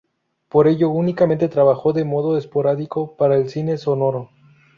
Por ello, únicamente trabajó de modo esporádico para el cine sonoro.